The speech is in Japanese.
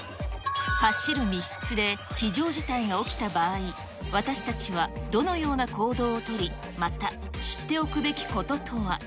走る密室で非常事態が起きた場合、私たちはどのような行動を取り、また、知っておくべきこととは。